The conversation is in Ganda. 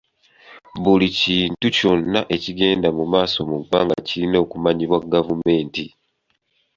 Buli kintu kyonna ekigenda mu maaso mu ggwanga kirina okumanyibwa gavumenti.